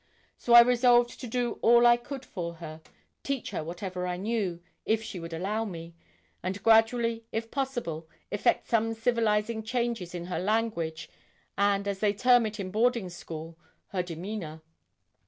So I resolved to do all I could for her teach her whatever I knew, if she would allow me and gradually, if possible, effect some civilising changes in her language, and, as they term it in boarding schools, her demeanour.